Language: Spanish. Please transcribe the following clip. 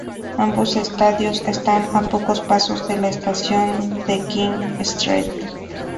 Ambos estadios están a pocos pasos de la Estación de King Street.